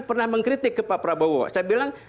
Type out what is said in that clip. pernah mengkritik ke pak prabowo saya bilang